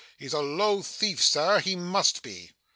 He's a low thief, sir. He must be.